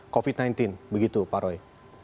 covid sembilan belas begitu pak roy